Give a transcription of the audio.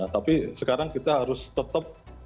tapi sekarang kita harus tetap